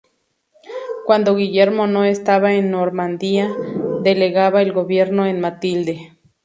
Cuando Guillermo no estaba en Normandía, delegaba el gobierno en Matilde.